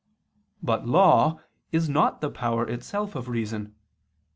But law is not the power itself of reason.